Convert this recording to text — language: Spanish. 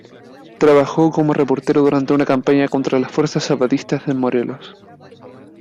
Trabajó como reportero durante la campaña contra las fuerzas zapatistas en Morelos.